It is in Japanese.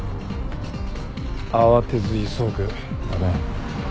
「慌てず急ぐ」だね。